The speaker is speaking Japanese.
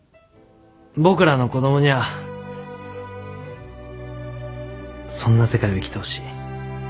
僕らの子供にゃあそんな世界を生きてほしい。